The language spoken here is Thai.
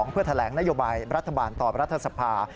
เพื่อแถลงนโยบายรัฐบาลต่อรัฐสภา